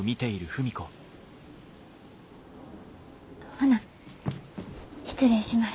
ほな失礼します。